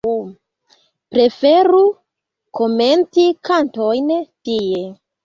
Preferu komenti kantojn tie.